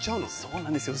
そうなんですよ。